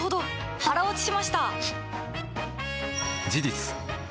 腹落ちしました！